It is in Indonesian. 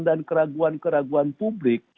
dan keraguan keraguan publik